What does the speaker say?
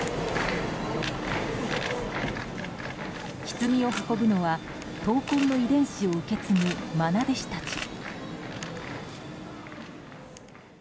ひつぎを運ぶのは闘魂の遺伝子を受け継ぐまな弟子たち。